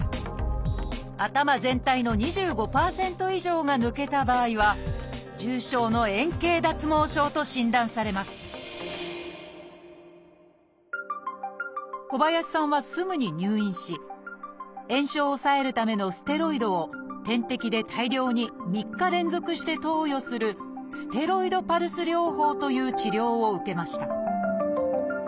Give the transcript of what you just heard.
頭全体の２５％以上が抜けた場合は「重症の円形脱毛症」と診断されます小林さんはすぐに入院し炎症を抑えるためのステロイドを点滴で大量に３日連続して投与する「ステロイドパルス療法」という治療を受けました。